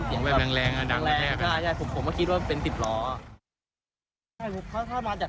แบบแรงอ่ะดังแปลว่ะใช่ผมก็คิดว่าเป็นสิบล้อ